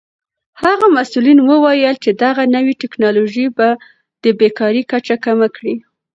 هغه مسؤل وویل چې دغه نوې تکنالوژي به د بیکارۍ کچه کمه کړي.